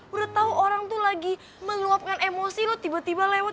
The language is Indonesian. udah tau orang tuh lagi meluapkan emosi loh tiba tiba lewat